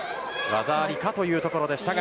技ありかというところでしたが。